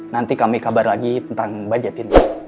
nanti kami kabar lagi tentang budget ini